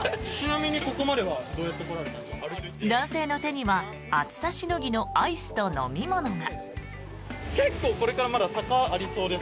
男性の手には暑さしのぎのアイスと飲み物が。